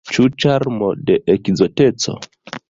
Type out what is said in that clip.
Ĉu ĉarmo de ekzoteco?